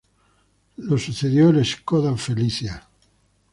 Lo sucedió el Škoda Felicia.